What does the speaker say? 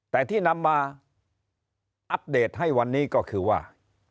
แต่ที่นำมาอัปเดตให้วันนี้ก็คือว่า